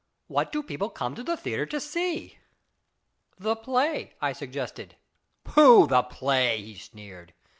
What do people come to the theatre to see ?" 244 & IT A MAN? " The play," I suggested. " Pooh, the play !" he sneered.